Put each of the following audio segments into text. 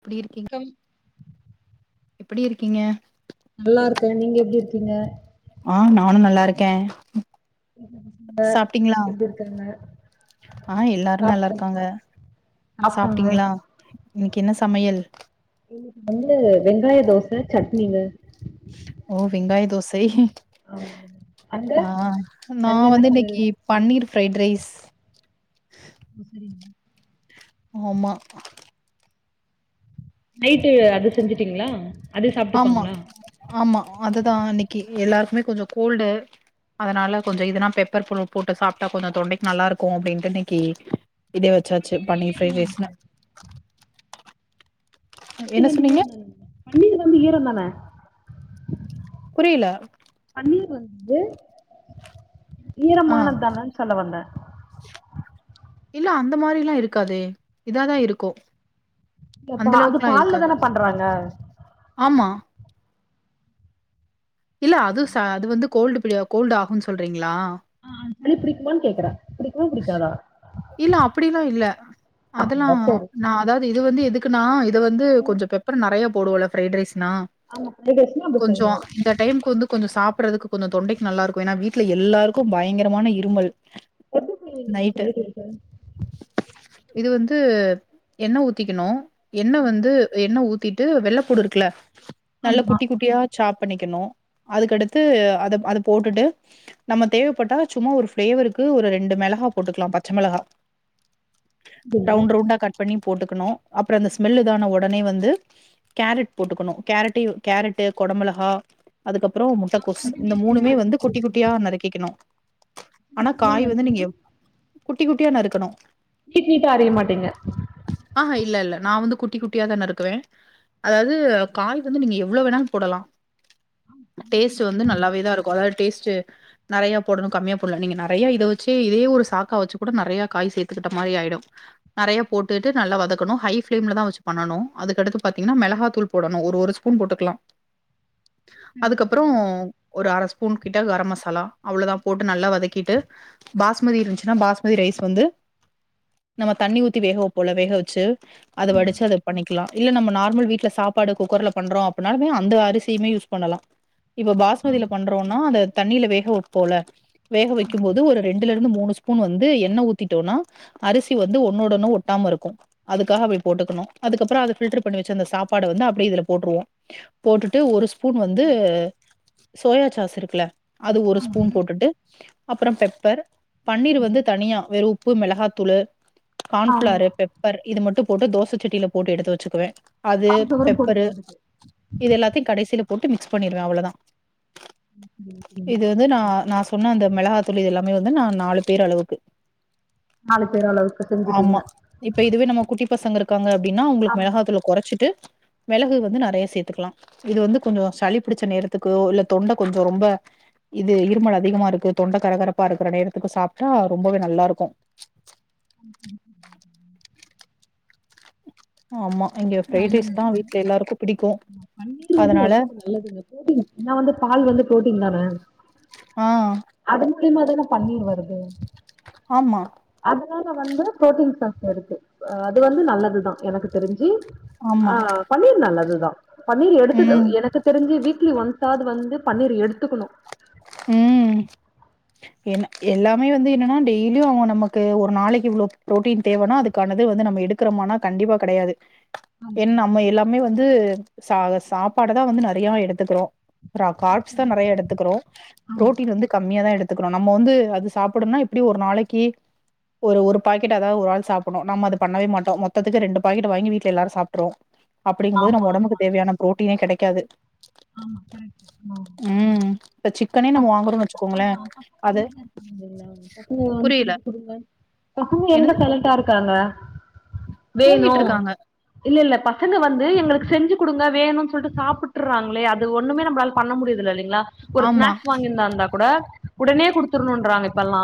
எப்டி இருக்கீங் கம் எப்டி இருக்கீங்க நல்லா இருக்கே நீங்க எப்டி இருக்கீங்க ஆ நானும் நல்லா இருக்கேன் சாப்பிட்டீங்களா எப்டி இருக்காங்க ஆ எல்லாரும் நல்லா சாப்ட்டங் இருக்காங்க சாப்ட்டாங்க சாப்பிட்டீங்களா இன்னைக்கு என்ன சமையல் [unintelligible] வெங்காய தோசை சட்னிங்க ஓ வெங்காய தோசை அங்க ஆ நா அங்க என்ன வந்து சமையல் இன்னைக்கு பன்னீர் ஃபிரைட் ரைஸ் ஒ செரிமா ஆமா நைட்டு அது செஞ்சுட்டீங்ளா? ஆமா ஆமா அதுதா இன்னக்கி எல்லாருக்குமே கொஞ்சொ கோல்டு அதனால கொஞ்ச இதனா பெப்பர் புல போட்டு சாப்ட்டா கொஞ்சொ தொண்டைக்கு நல்லாருக்கு அப்டின்ட்டு இன்னக்கி இதே வச்சாச்சு பன்னீரே பண்ணி ஃப்ரைட் ஈரந்தானங்க ரைஸ்னு என்ன பன்னீர் வந்து சொன்னீங்க ஈரொந்தான பன்னீர் வந்து ஈரொந்தான புரியில னீர் வந்து ஆ ஈரமானது தானன் சொல்ல வந்தே இல்ல அந்த மாரில்லா இருக்காதே இதாதா இருக்கு பா அந்த அது அளவுக்குலா இருக்காது பால்லதான பண்றாங்க ஆமா இல்ல அது ச அது வந்து கோல்டு பிடிய கோல்டாகுன் சொல்றீங்ளா அ சளி‌ பிடிக்குமான் கேக்குறே பிடிக்குமா பிடிக்காதா இல்ல அப்டிலா இல்ல அதெல்லா அப்டியா சரி நா அதாவ்து இது வந்து எ துக்குன்னா இ து வந்து கொஞ்ச பெப்பர் நெறைய போடுவோல்ல ஃப்ரைட் ரைஸ் னா ஆமா ஃப்ரைட் ரைஸ்னா அப்டி கொஞ்சோ செய்யணு இந்த டைம்கு வந்து கொஞ்ச சாப்புட்றதுக்கு கொஞ்சொ தொண்டைக்கு நல்லாருக்கு ஏனா வீட்ல எல்லாருக்கு பயங்கரமான இருமல் எப்டி செய்வீங்க‌ இந்த நைட்டு. ஃப்ரைட் ரைஸ இது வந்து எண்ண ஊத்திக்கனு எண்ண வந்து எண்ண ஊத் திட்டு வெள்ள பூடு இருக்குல நல்ல குட்டி ஆமா குட்டியா சாப் பண்ணிக்கனு அதுக்கடுத்து அது அத போட்டுட்டு நம்ம தேவைப்பட்டா சும்மா ஒரு ஃபளேவருக்கு ஒரு ரெ ண்டு மெளகா போட்டுக்லா பச்ச மெளகா ரவுண்ட் ரவுண்டா கட் பண்ணி போட்டுக்கனு அப்ற இந்த ஸ்மெல் இதான ஒடனே வந்து கேரட் போட்டுக்கனு கேரட்யு கேரட்டு் கொட மொளகா அதுக்கப்றோ முட்டக்கோஸ் அவளாது இந்த நீட் மூணுமே வந்து குட்டி குட்டியா நறுக்கிக்கனு பிஸ்தா நறுக்குது குட்டி குட்டியா நறுக்கணு கிட்னீட்டா அறிய மாட்டேங்க நான் வந்து குட்டி குட்டியாதா நறுக்குவே அதாவது காய் வந்து நீங்க எவ்ளோ வேணாலு போடலா டேஸ்ட் வந்து நல்லாவேதா இருக்கு அதாது டேஸ் ச்சி நெறைய போடணு கம்மியா போல நீங்க நெறைய இத வ ச்சி இதயே ஒரு சாக்கா வச்சி கூட நெறையா காய் சேர்த்துக்கிட்ட மாரி ஆயிடு நெறையா போட்டு நல்லா வதக்கணு ஹை ஃபிளேம்லதா வச்சி பண்ணனு அதுக்கடுத்து பாத்தீங்கன்னா மெளகாதூள் போடணு ஒரு ஒரு ஸ்பூன் போட்டுக்கலா அதுக்கப்புறோ ஒரு அரச ஸ் ஸூபூன் கிட்ட கர மசாலா அவ்ளதா போட்டு நல்லா வதக்கிட்டு பாஸ்மதி இருந்துச்சின்னா பாஸ்மதி ரைஸ் வந்து நம்ம தண்ணி ஊத்தி வேக வப்போ இல்ல வேக வச்சி அத ஆமா வடிச்சி அத பண்ணிக் லாம் இல்ல நம்ம நார்மல் வீட்ல சாப்பாடு குக்கர்ல பண்றோ அப்பினாலுமே அந்த அரிசியுமே யூஸ் பண்ணலா இப்ப ஆ பாஸ்மதியில பண்றோனா அத தண்ணியில வேகபோ போல வேக வைக்கு ஆமா போது ஒரு ண்டுலருந்து மூணு ஸ்பூன் வந்து எண்ணெ ஊத்திடோனா அரிச வந்து ஒன்னோடு ஒன்னு ஒட்டமா இருக்கு அதுக்காக அப்பி போட்டுக்கணு அதுக்கப்புறோ அத ஃபில்டர் பண்ணி வச்சந்த சப்பாட வந்து அப்பிடியே இதுல போட்டுருவோ போட்டுட்டு ஒரு ஸ்பூ ஸ்பூன் வந்து சோயா சாஸ் இருக்குல அது ஒரு ஆமாங்க ஸ்பூன் போட்டுட்டு அப்புறோ பெப் பர் பன்னீர் வந்து தனியா வெறு உப்பு மெளகாத்தூளு ஆமா கார்ன்ஃபிளாரு பெப்பர் இது மட்டு போட்டு தோச செட்டில போட்டு எடுத்து வச்சுக்குவே அது கான்ஃப்ளவரும் பெப்பரு போடுவீங்க அதுக்கு இது எல்லாத்தியு கடைசியில போட்டு மிக்ஸ் பண்ணிருவே அவ்வளதா இது வந்து நா நா சொ சொன்னா அந்த மெளகா தூளு இதெல்லா மே வந்து நா நாலு பேர் அளவுக்கு நாலு பேர் அளவுக்கு செஞ்சுப்பீங்க ஆமா இப்ப இதுவே நம்ம குட்டி பசங்க இருக் இக்காங்க ப்பிடின்னா உங்களுக்கு ஆமா மிளகாத்தூள கொறச்சிட்டு மிளகு வந்து நெறைய சேத்துக்கலா இது வந்து கொஞ்சோ சளி புடிச்ச நேரத்துக்கு இல்ல தொண்ட கொஞ்சோ ரொம்ப இது இருமல் அதிகமா இருக்கு தொண்டை கரகர ப்ப இருக்கிற நேரத்துக்கு சாப்பிட்டா ரொம்பவே நல்லா இருக்கு [unintelligible] ஆமா அ இங்க ஃப்ரைட் ரைஸ் நல்லது தா [unintelligible] வீட்ல எல்லாருக்கு பிடிக்கு பன்னீர் வந்து அதனால ஒடம்புக்கு நல்லதுங்க ப்ரோடீன் நா வந்து பால் வந்து ப்ரோட்டீன் தான ஆ மூல்யமாதான பன்னீர் வருது ஆமா அதுனால வந்து ப்ரோட்டீன் சத்து இருக்கு அது வந்து நல்லதுதா எனக்கு தெரிஞ்சு ஆமா ஆ பன்னீர் நல்லது தா பன்னீர் எடுத்துக ம் எனக்கு தெரிஞ்சு வீ க்லி ஒன்ஸாது வந்து பன்னீர் எடுத்துக்கனு ம் என்ன எல்லாமே வந்து என்னனா டெய்லியு அவுங்க நமக்கு ஒரு நாளக்கி இவ்ளோ ப்ரோட்டீன் தேவனா அதுக்கானது வந்து நம்ம எடுக்குறமானா கண்டிப்பா கெடயாது ஆமா என் நம்ம எல்லாமே வந்து ச சாப்பாடதா வந்து நெறயா எடுத்துக்குறோ ர கார்ப்ஸ் சரி தா நெறய எடுத்துக்குறோ ஆமா. புரோட்டீன் வந்து கம்மியா தா எடுத்துக்குறோ நம்ம வந்து அது சாப்புடன்னா எப்டியு ஒரு நாளைக்கு ஒரு ஒரு பாக்கெட் அதா ஒரு ஆள் சாப்புன்னு நம்ம அத பண்ணவே மாட்டோ மொத்தத்துக்கு ரெண்டு பாக்கெட் வாங்கி வீட்ல எல்லாரு சாப்ட்ருவோ அப்டிங்கும்போது ஆமா, நம்ம ஆமா, ஒடம்புக்கு தேவயான ப்ரோ ட்டீனே கெடைக்காது ஆமா கரெக்ட் ஆ ம் இப்ப சிக்கனே நம்ம பசங்க வாங்குறோன்னு எங்க வச்சுக்கோங்களே இருக்காங்க பசங்க அது அமைதியா இருக்காங்க [unintelligible] பசங்களா வந்து புரியல செஞ்சு குடுங்க பசங்க எங்க என்னது சைலன்ட்டா இருக்காங்க வேணு தூங்கிட்ருக்காங்க இல்லெல்ல பசங்க வந்து எங்களுக்கு செ ஞ்சு குடுங்க வேணும் சொல்ட்டு சாப்புட்டுர்றாங் களே அது ஒன்னுமே நம்பளால் பண்ண முடியதுல இல்லிங்ளா ஒரு ஆமா ஸ்நாக்ஸ் வாங்கியிர்ந்தாந்தா கூட உடனே குடுத்துருனுன்றாங்க இப்பல்லா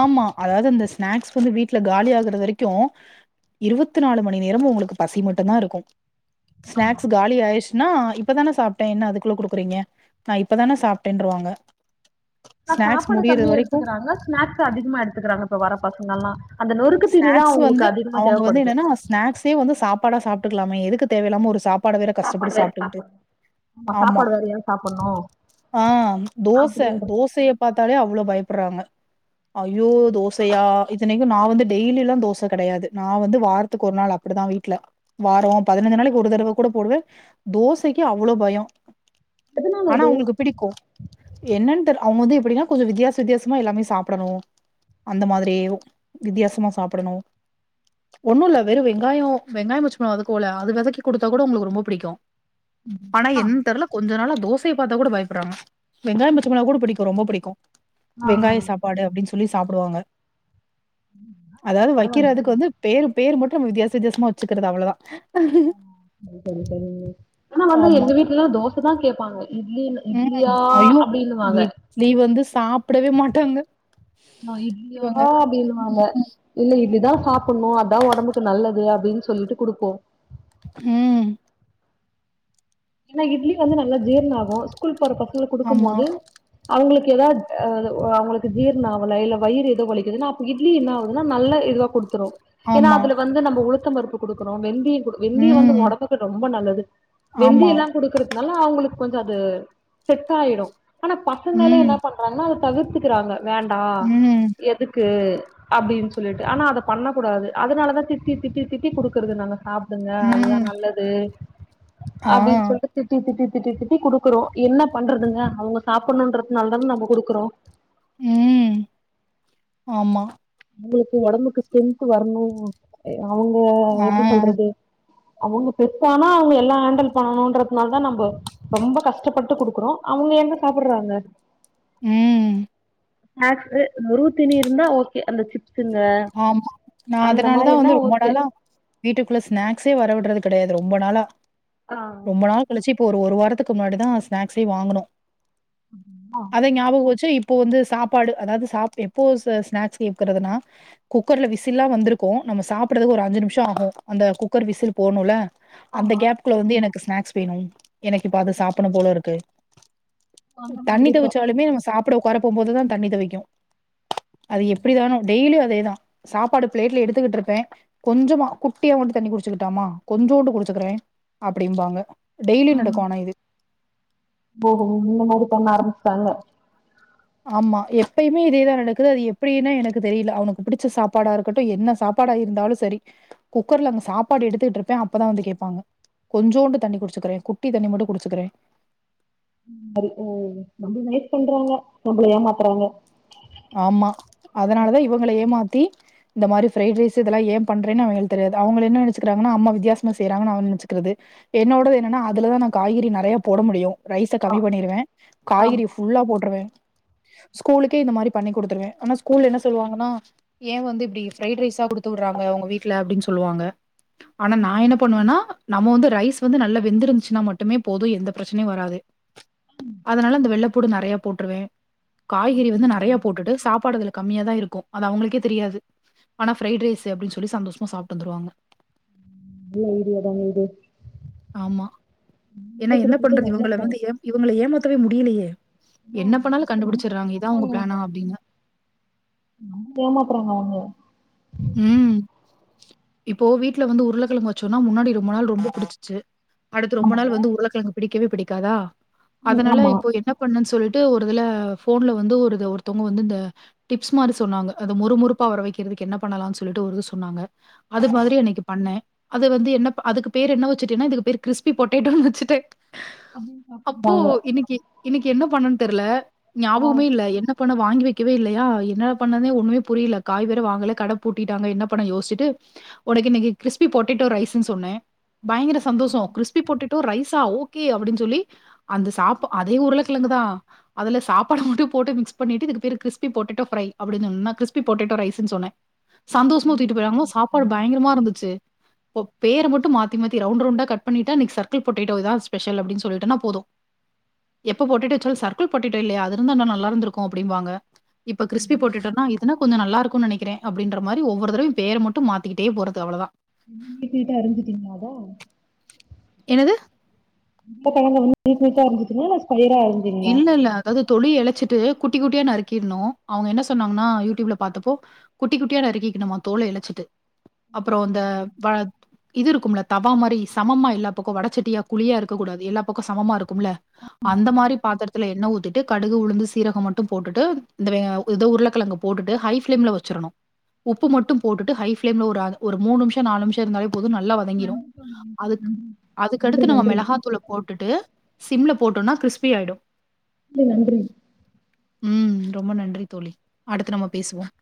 ஆமா அதாது அந்த ஸ்நாக்ஸ் வந்து வீட்ல காலி ஆகுற வரைக்கு இருவத்து நாலு மணி நேரமு அவுங்களுக்கு பசி மட்டுந்தா இருக்கு ஆமா. ஸ்நாக்ஸு காலி ஆயி ச்சுனா இப்பதானே சாப்டே என்ன அதுக்குள்ள குடுக்குறீங்க நா இப்பதான சாப்டேன்ருவாங்க ஆனா சாப்பாடு கம்மியா எடுத்துக்குறாங்க ஸ்நாக்ஸ் ஸு‌ அதிகமா எடுத்துக்குறாங்க இப்ப வர பசங்கள்லா ஸ்நாக்ஸு‌ வந்து அவுங்க வந்து தேவைப்படுது. என்னனா ஸ்நாக்ஸே வந்து சாப்பாடா சாப் டுக்லாமே எதுக்கு தேவயில்லாம ஒரு சாப் பாட வேற சாப்பாடு கஷ்டப்பட்டு வேற சாப்ட்டுக்கிட்டு சாப்புட்ணும். ஆமா சாப்பாடு வேறயா சாப்புட்ணும். ஆ தோச அப்டின்ற தோசைய பாத்தாலே அவ்ளொ பயப் றாங்க அய்யோ தோசையா இத்தனைக்கு நா வந்து டெய்லிலா தோச கெடயாது நா வந்து வாரத்துக்கு ஒரு நாள் அப்புடிதா வீட்ல வார பதினஞ்சு நாளக்கி ஒரு தடவ கூட போடுவே தோசக்கி அவ்ளோ பயொ எதனால ஆனா அது? உங்களுக்கு பிடிக்கும் என்னன்னு தெர்ல அவன் எப்டின்னா கொஞ்சம் வித்தியாச வித்தியாசமா எல்லாமே சாப்டணும் அந்த மாரி வித்தியாசம் மா சாப்டணும் ஒண்ணும் இல்ல வெறும் வெங்காயம் வெங்காயம் மச்சம வதக்கல அது வதக்கி குடுத்தா கூட உங்களுக்கு ரொம்ப புடிக்கும் ஆனா ஆ. என்னனு தெர்ல கொஞ்ச நாளா தோசய பாத்தா கூட பயப்படுறாங்க வெங்காயம் பச்சமொளகா கூட புடிக்கும் ரொம்ப புடிக்கும் ஆ வெங்காயம் சாப்பாடு அப்டின்னு சொல் சொல்லி சாப்பிடுவாங்க அதாது பரவாயில்லைங்களே வைக்கிறத்துக்கு வந்து பேரு பேர் மட்டும் வித்தியாச வித்தியாசமா வெச்சக்கிறது அவ்வளவு தா ஆனா வந்து ஆமா. எங்க வீட்டுல எல்லா வந்து தோசை இப்டி தா கேப்பாங்க இட்லி ம் இட்லியா ஐயோ அப்டின்னுவாங்க இட்லி வந்து சாப்பிடவே மாட்டாங்க அ இட்லியா இவங்க. அப்டின்னுவாங்கா இல்ல இட்லி தா சாப்பிடணும் அதா உடம்புக்கு நல்லது அப்டின்னு சொல்லிட்டு குடுப்போம் ம் ஏன்னா இட்லி வந்து நல்லா ஜீரண ஆகும் ஸ்கூல் ஒரு பசங்க குடுக்கும் ஆமா, போது அவுங்களுக்கு ஏதாது அவங்களுக்கு ஜீர்ண ஆவல வயிறு ஏதோ வலிக்குதுன்ன அப்போ இட்லி என்னகுதுன்னா நல்ல இதுவா குடுத்து ரும் ஏன்னா ஆமா. அதுல வந்து நம்ம உளுந் தம் பருப்பு குடுக்கறோம் வெந்தே வெந்தேயம் வந்து ம். உடம்புக்கு ரொம்ப நல்லது வெந்தி ஆமா. எல்லா குடுக்குறது அதனால அவங்களுக்கு கொஞ்சம் அது செட் ஆயிடும் ஆனா பசங்களே ம். என்ன பண்றாங்கன்னா அது தவிர்த்துக்கிறாங்க வேண்டாம் ம். எதுக்கு அப்டின்னு சொல்லிட்டு ஆனா அதை பண்ணக்க கூடாது அதனால தான் திட்டி திட்டி திட்டி குடுக்குறது நாங்க சாப் பிடுங்க அது தா ம். நல்லது ஆ. அப்டினு சொல்லிட்டு திட்டி திட்டி திட்டி திட்டி குடுக்குறோம் என்ன பண்றதுங்க அவங்க சாப்பிடணும்ன்றதுனால தானே நம்ம குடுக்குறோம் ம் ஆமா உங்களுக்கு ஒடம்புக்கு ஸ்ட்ரென்த் வரணு அவுங்க ஆ. எப்டி சொல்றது அவுங்க பெருசானா அவுங்க எல்லாம் ஹேண்டல் பண்ணணுன்றதுனால தா நம்ம ரொம்ப கஷ்டப்பட்டு குடுக்குறோம் அவுங்க எங்க சாப்றாங்க ம் ஸ்நாகஸ் நொறுவு தீனி இருந்தா ஓக் அந்த சிப் ஆமா நா அதுனால தா மாரின்னா வந்து ரொம்ப ஓகே நாளா வீட்டுக்குள்ள ஸ்நாக்ஸே வர விடுறது கெடயாது ரொம்ப நாளா ஆ ரொம்ப நாள் கழிச்சு இப் இப்போ ஒரு வாரத்துக்கு முன்னாடிதான் ஸ்நாக்ஸ் ஏ வாங்குனோ ஆ அத ஞாபகம் வச்சு இப் இப்போ வந்து சாப்பாடு அதாது எப்போ ஸ்நாக்ஸ் கேக்கறதுனா குக்கர்ல விசில்லா வந்திருக்கும் நம்ம சாப்பறக்கு ஒரு அஞ்சு நிமிஷம் ஆகும் அந்த குக்கர் விசில் போகணுல அந்த ஆமா கேப் குள்ள வந்து எனக் ஸ்நாக்ஸ் வேணு எனக்கு இப்ப அது சாப்புணு போல இருக்கு அந்த தண்ணி மாதிரி இப்ப தவிச்சாலுமே அது சாப் ப்ட உக்கார போம்போது தான் தண்ணி தவிக்கும் அது எப்டிதானோ டெய்லியு அதேதான் சாப்பாடு பிளேட்ல எடுத்துக்கிட்டு இருப்பேன் கொஞ்சமா குட்டியா மட்டு தண்ணி குடிச்சுக்கிட்டாமா கொஞ்சோண்டு குடிச்சுக்கிறேன் அப்பிடிம்பாங்க ம் டெய்லியும் ம். நடக்கும் ஆனா இது ஓஹோ இந்த மாரி பண்ண ஆரம்பிச்சுட்டாங்க ஆமா எப்பயுமே இதேதான் நடக்குது அது எப்படின்னா எனக்கு தெரில அவனுக்கு புடிச்ச சாப்பாடா இருக்கட்டும் என்ன சாப்பாடா இருந்தாலும் சரி குக்கர்ல அங்க சாப்பாடு எடுத்துட்டு இருப்பேன் அப்பதான் வந்து கேப்பாங்க கொஞ்சோண்டு தண்ணி குடிச்சுக்கிறேன் குட்டி தண்ணி மட்டு குடிச்சுக்கிறேன் நாரு ம் நம்ப நைஸ் பண்றாங்க நம்பள ஏமாத்துறாங்க ஆமா அதுனாலதா இவங்கள ஏமாத்தி இந்த மாதிரி ஃப்ரைட் ரைஸ் இதெல்லா ஏ பண்றேன்னு அவங்களுக்கு தெரியாது அவங்க என்ன நினச்சுக்கிறா கன்கனா அம்மா வித்தியசமா செய்றாங்கன்னு அவுங்க நினச்சக்கிறது என்னோடது என்னன்னா அதுலதான் நா காய்கறி நெறைய போட முடியும் ரைஸ ஆ கம்மி பண்ணிருவேன் ஆமா காய்கறிய ஃபுல்லா போட்டுருவேன் ஸ்கூலுக்கே இந்த மாரி பண்ணி குடுத்துருவேன் ஆனா ஸ்கூல என்ன சொல்லுவாங்கன்னா ஏ வந்து இப்டி ஃப்ரைட் ரைஸா குடுத்து உடுறாங்க உங்க வீட்ல அப்டின் சொல்லுவாங்க ஆனா நா என்ன பண்ணுவன்னா நம்ம வந்து ரைஸ் வந்து நல்லா வெந்தருந்துச்சுனா மட்டுமே போதும் எந்த பிரச்சனையும் வராது அதுனால அந்த வெள்ள பூடு நெறையா போட்டுருவேன் காய்கறி வந்து நெறயா சாப்பாடு அதுல கம்மியா தா இருக்கு அது அவுங்களுக்கே தெரியாது ஆனா ஃப்ரைட் ரைஸு அப்டின்னு சொல்லி சந்தோஷமா சாப்ட்டு வந்துருவாங்க நல்ல ஐடியா தாங்க இது ஆமா ஏன்னா இது என்ன குடுக்குறது பண்றது இவுங்கள நல்லதுதாங்க வந்து ஏ இவுங்கள ஏமா வே முடியலையே நம என்ன பண்ணாலு கண்டுபிடிச்சடுறாங்க ஏமாத்றாங்க இதா உங்க அவுங்க பிளானா அப்டின்னு நம்ள ஏமாத்றாங்க அவுங்க உம் இப்போ வீட்ல வந்து உருளக்கிழங்கு வச்சோம்ன்னா முன்னாடி ரொம்ப நாள் ரொம்ப புடிச்சிச்சு அடுத்து ரொம்ப நாள் ஆமாங்க வந்து உருளக்கெழங்கு பிடிக்கவே பிடிக் காதா ம் அதனால ஆமா இப்போ என்ன பண்ணன்னு சொல்லிட்டு டு ஒரு இதுல ஃபோன்ல வந்து ஒருத்தவங்க வந்து இந்த டிப்ஸ் மாரி சொன்னாங்க அது மொறுமொறுப்பா வர வக்குறதுக்கு என்னா பண்ணலான்னு சொல்லிட்டு ஒருது சொன்னாங்க அது ஆ மாதிரி அன்னைக்கு பண்ணே அது வந்து என்ன அதுக்கு பேர் என்ன வச்சுட்டேன்னா இதுக்கு பேர் கிறிஸ்பி பொட்டேட்டோன்னு வச்சுட்டே அப்டின்னு அப்போ சாப்ட்டுக்கிறாங்க இன்னைக்கு இன்னைக்கு என்ன பண்ணன்னு தெரியல ஆ ஞாபகமே இல்ல என்ன பண்ண வாங்கி வைக்க வக்கவே இல்லையா என்னா பண்ணனே ஒண்ணுமே புரியல காய் வேற வாங்கல கட பூட்டிட்டாங்க என்ன பண்ண யோசிச்சிட்டு ஒனக்கு இன்னைக்கு கிறிஸ்பி பொட்டேட்டோ ரைஸ்ன்னு சொன்னே பயங்கர சந்தோஷோ கிறிஸ்பி பொட்டேடோ டோ ரைஸா ஓகே அப்டின் சொல்லி அந்த சாப்ப அதே உருல கிழங்குதா அதுல சாப்பாடு மட்டு போட்டு மிக்ஸ் பண்ணிட்டு இதுக்கு பேர் கிறிஸ்பி பொட்டேடோ ப்ரை அப்டின்னு கிறிஸ்பி பொட்டேட்டோ ரைஸ்ன்னு சொன்னே சந்தோஷமா அந்த தூக்கிட்டு மாரி போயிறாங்ளா சாப்பாடு சாப்ட்டுக்கிறாங்க பயங்கரமா இருந்துச்சு பேர மட்டு மாத்தி மாத்தி ரவுண்ட் ரவுண்டா கட் பண்ணிட்டா இன்னைக்கு சர்க்கிள் பொட்டேட்டோ இதா ஸ்பெஷல் அப்டின்னு சொல்லிட்டனா போது எப்ப பொட்டேடோ வச்சாலு சர்க்கிள் பொட்டேட்டோ இல்லையா அது இருந்தானா நல்லா இருந்துருக்கு அப்படிம்பாங்க இப்ப கிறிஸ்பி பொட்டேடோனா இதன கொஞ்ச நல்லா இருக்குனு நெனக்குறே அப்டின்ற மாரி ஓவ்வொரு தடவையு பேர மட்டு மாத்திக்கிட்டே போறது அவ்ளதா நீட் நீட்டா அறிஞ்சுட்டீங்களா அத என்னது உருளக்கெழங்க நீட் நீட்டா அறிஞ்சுட்டீங்களா இல்ல ஸஃ இல்ல இல்ல அதாவது தொலிய எழச்சிட்டு குட்டி குட்டியா நறுக்கிறணு அவுங்க என்ன சொன்னாங்கனா யூடியூப்ல பாத்தப்போ குட்டி குட்டியா நறுக்கிக்கணுமா தோல எழச்சிட்டு அப்பறோ இந்த வ இது இருக்குல தவா மாரி சமமா எல்லா பக்கோ வடச்சட்டியா குழியா இருக்கக் கூடாது எல்லா பக்கோ சமமா இருக்கும்ல அந்த மாரி பாத்திரத்ல எண்ண ஊத்திட்டு கடுகு உளுந்து சீரகம் மட்டும் போட்டுட்டு இந்த இதோ உருளக்கெழங்க போட்டுட்டு ஹை பிளேம்ல வச்சிறணு உப்பு மட்டும் போட்டுட்டு ஹை பிளேம்ல ஒரு ஒரு மூனு நிமிஷோ நாலு நிமிஷோ இருந்தாலே போது நல்லா தோழி வதங்கிடு நன்றி தோழி அது நன்றி நன்றி அதுக்கடுத்து நம்ப நன்றி மெளகாத்தூள போட்டுட்டு சிம்ல போட்டோனா கிறிஸ்பி ஆயிடு மிக்க நன்றி ம் ரொம்ப நன்றி தோழி அடுத்து நம்ம பேசுவோம்